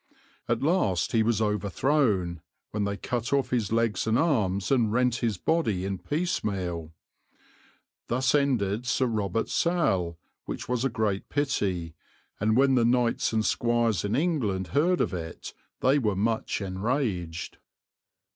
At last he was overthrown, when they cut off his legs and arms, and rent his body in piecemeal. Thus ended Sir Robert Salle, which was a great pity, and when the knights and squires in England heard of it they were much enraged."